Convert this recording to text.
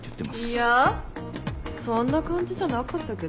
いやそんな感じじゃなかったけど。